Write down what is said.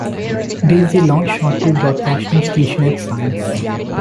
There is a large shortwave broadcasting station at Sines.